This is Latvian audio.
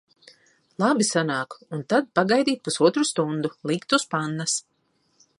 Labi sanāk! Un tad pagaidīt pusotru stundu. Likt uz pannas.